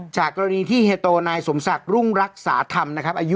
จากกรณีที่เฮโตไหนย์สวมศักดีรุ่งรักษาธรรม